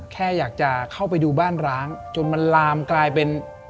แค่อยากจะเข้าไปดูบ้านร้างจนมันลามกลายเป็น